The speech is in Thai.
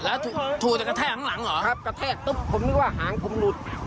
แล้วถูกแต่กระแทกข้างหลังเหรอครับกระแทกตุ๊บผมนึกว่าหางผมหลุด